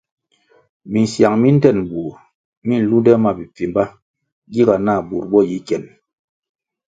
Misiang mi ndtenbur mi nlunde ma bipfimba giga nah bur bo yi kien.